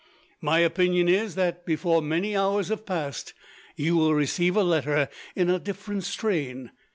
My opinion is that, before many hours have passed, you will receive a letter in a different strain.